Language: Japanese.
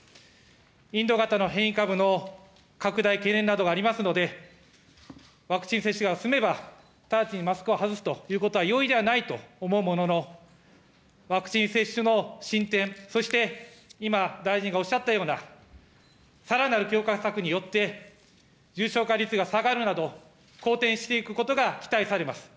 インド型の変異株の拡大懸念などがありますので、ワクチン接種が進めば、直ちにマスクを外すということは容易ではないと思うものの、ワクチン接種の進展、そして今、大臣がおっしゃったような、さらなる強化策によって、重症化率が下がるなど、好転していくことが期待されます。